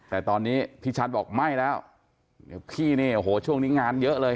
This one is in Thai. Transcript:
แต่ตอนนี้พี่ชัดบอกไม่แล้วเดี๋ยวพี่เนี่ยโอ้โหช่วงนี้งานเยอะเลย